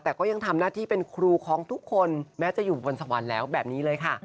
แต่ก็ยังทำหน้าที่เป็นครูของทุกคนแม้จะอยู่บนสวรรค์แล้วแบบนี้เลยค่ะ